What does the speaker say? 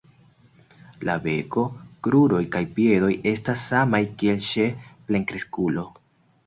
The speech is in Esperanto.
La beko, kruroj kaj piedoj estas samaj kiel ĉe plenkreskulo.